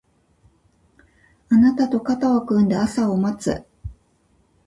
あなたと肩を組んで朝を待つ